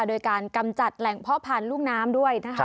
โดยการกำจัดแหล่งเพาะพันธุ์ลูกน้ำด้วยนะคะ